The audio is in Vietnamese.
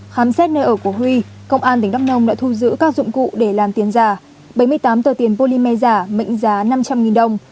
khám xét nơi ở của huy công an tỉnh đắk nông đã thu giữ các dụng cụ để làm tiền giả bảy mươi tám tờ tiền polymer giả mệnh giá năm trăm linh đồng